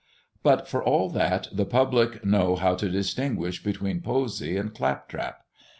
But for all that, the public know how to distinguish between poesy and clap trap.